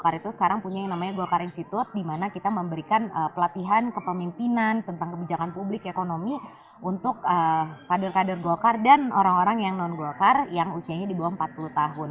golkar itu sekarang punya yang namanya golkar institute dimana kita memberikan pelatihan kepemimpinan tentang kebijakan publik ekonomi untuk kader kader golkar dan orang orang yang non golkar yang usianya di bawah empat puluh tahun